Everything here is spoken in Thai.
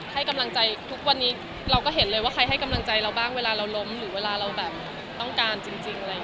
ให้กำลังใจทุกวันนี้เราก็เห็นเลยว่าใครให้กำลังใจเราบ้างเวลาเราล้มหรือเวลาเราแบบต้องการจริงอะไรอย่างนี้